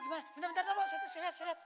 bentar pok saya lihat